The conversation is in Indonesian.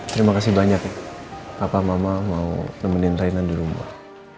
terima kasih banyak ya papa mama mau nemenin rena di rumah